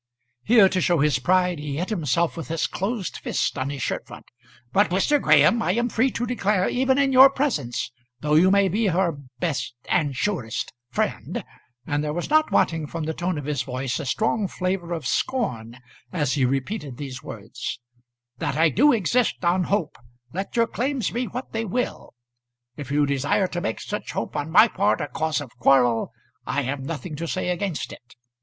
Here, to show his pride, he hit himself with his closed fist on his shirt front. "But, Mr. Graham, I am free to declare, even in your presence, though you may be her best and surest friend," and there was not wanting from the tone of his voice a strong flavour of scorn as he repeated these words "that I do exist on hope, let your claims be what they will. If you desire to make such hope on my part a cause of quarrel, I have nothing to say against it."